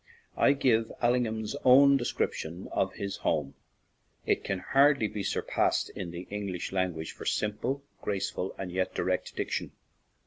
I give Allingham's own de scription of his home; it can hardly be surpassed in the English language for sim ple, graceful, and yet direct diction.